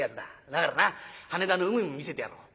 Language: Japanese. だからな羽田の海も見せてやろう。